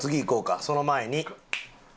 その前に。